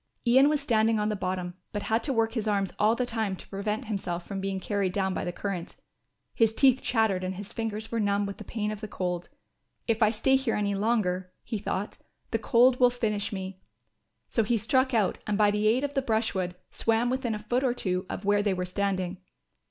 Ian was standing on the bottom, but had to work his arms all the time to prevent himself from being carried down by the current. His teeth chattered and his fingers were numb with the pain of the cold. "If I stay here any longer," he thought, "the cold will finish me." So he struck out and by the aid of the brushwood swam within a foot or two of where they were standing.